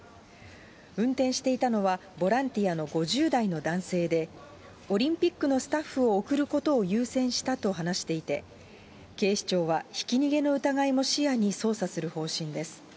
運転していたのは、ボランティアの５０代の男性で、オリンピックのスタッフを送ることを優先したと話していて、警視庁はひき逃げの疑いも視野に捜査する方針です。